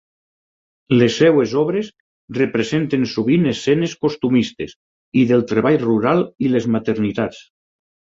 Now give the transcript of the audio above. Les seves obres representen sovint escenes costumistes i del treball rural i les maternitats.